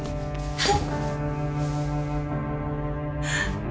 はい。